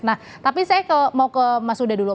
nah tapi saya mau ke mas huda dulu